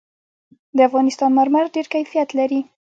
د افغانستان مرمر ډېر کیفیت لري.